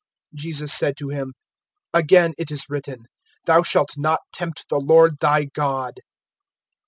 (7)Jesus said to him: Again it is written, Thou shalt not tempt the Lord thy God.